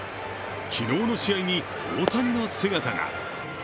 昨日の試合に大谷の姿が。